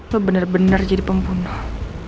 lo bener bener jadi pembunuh